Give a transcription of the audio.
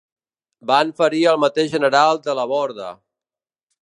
Van ferir al mateix General Delaborde.